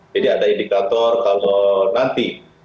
jadi ada indikator kalau nanti